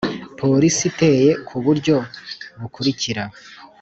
Polisiriteye ku buryo bukurikira